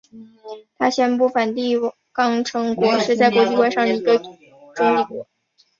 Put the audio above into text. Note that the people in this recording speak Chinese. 它宣布梵蒂冈城国是在国际关系的一个中立国。